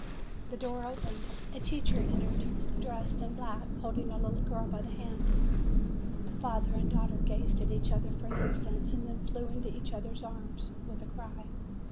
The door opened; a teacher entered, dressed in black, holding a little girl by the hand. Father and daughter gazed at each other for an instant ; then flew into each other's arms, with a cry.